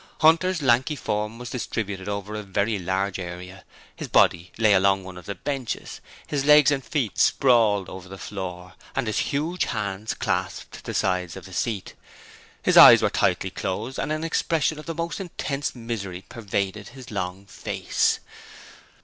Hunter's lanky form was distributed over a very large area; his body lay along one of the benches, his legs and feet sprawled over the floor, and his huge hands clasped the sides of the seat. His eyes were tightly closed and an expression of the most intense misery pervaded his long face.